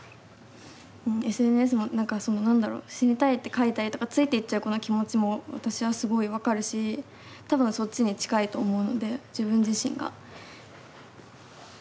ＳＮＳもなんかその何だろ死にたいって書いたりとかついていっちゃう子の気持ちも私はすごい分かるし多分そっちに近いと思うので自分自身が。